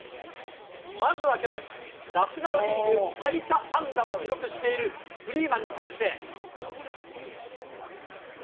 まずは去年、ナショナルリーグ最多安打を記録しているフリーマンに対して。